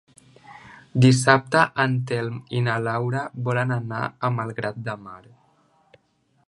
Dissabte en Telm i na Laura volen anar a Malgrat de Mar.